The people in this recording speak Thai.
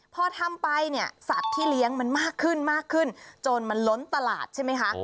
พอทำไปเนี่ยสัตว์ที่เลี้ยงมันมากขึ้นมากขึ้นจนมันล้นตลาดใช่ไหมคะ